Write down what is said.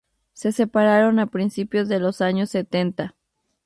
Se separaron a principios de los años setenta.